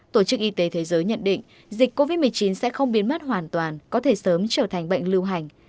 tổ chức y tế thế giới nhận định dịch covid một mươi chín sẽ không biến mất hoàn toàn có thể sớm trở thành bệnh lưu hành